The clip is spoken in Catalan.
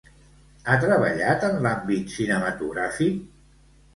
Ha treballat en l'àmbit cinematogràfic?